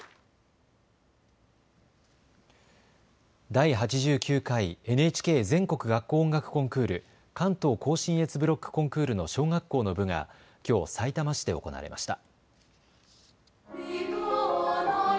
第８９回ＮＨＫ全国学校音楽コンクール関東甲信越ブロックコンクールの小学校の部がきょうさいたま市で行われました。